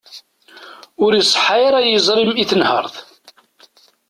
Ur iṣeḥḥa ara yiẓri-m i tenhert.